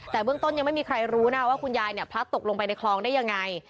แต่เบื้องต้นยังไม่มีใครรู้นะว่าคุณยายเนี่ยพลัดตกลงไปในคลองได้ยังไง